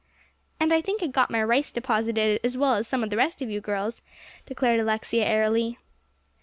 "And I think I got my rice deposited as well as some of the rest of you girls," declared Alexia airily.